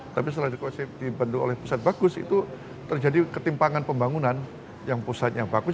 tapi setelah dibentuk oleh pusat bagus itu terjadi ketimpangan pembangunan yang pusatnya bagus